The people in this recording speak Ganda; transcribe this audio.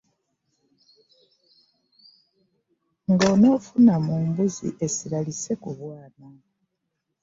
Nga onofuna mu mbuzi essira lisse ku bwana.